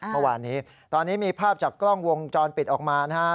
เมื่อวานนี้ตอนนี้มีภาพจากกล้องวงจรปิดออกมานะฮะ